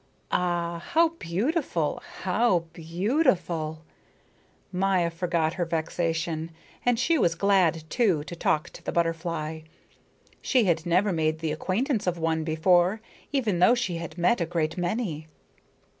Ah, how beautiful, how beautiful! Maya forgot her vexation. And she was glad, too, to talk to the butterfly. She had never made the acquaintance of one before even though she had met a great many.